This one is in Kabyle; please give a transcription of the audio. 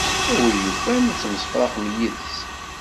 A win yufan ad temsefraqed yid-s.